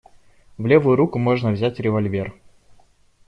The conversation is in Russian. В левую руку можно взять револьвер.